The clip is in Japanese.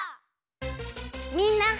みんな。